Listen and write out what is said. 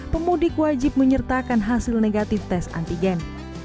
pemudik wajib menyertakan hasil negatif tes antigen